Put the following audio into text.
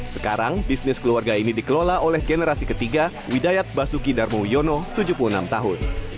sekarang bisnis keluarga ini dikelola oleh generasi ketiga widayat basuki darmo yono tujuh puluh enam tahun